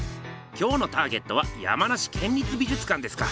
今日のターゲットは山梨県立美術館ですか。